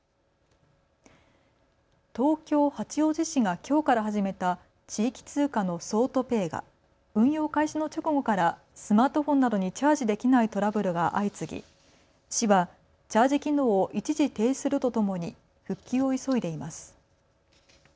東京八王子市がきょうから始めた地域通貨の桑都ペイが運用開始の直後からスマートフォンなどにチャージできないトラブルが相次ぎ市はチャージ機能を一時停止するとともに復旧を急いでいます。